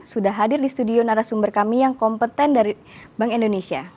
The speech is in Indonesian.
sudah hadir di studio narasumber kami yang kompeten dari bank indonesia